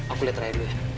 aku lihat raya dulu ya